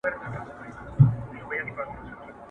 تاسو د دغه کتاب له مطالعې څخه خوند واخلئ.